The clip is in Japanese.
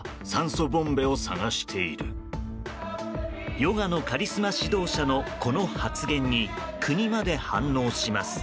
ヨガのカリスマ指導者のこの発言に国まで反応します。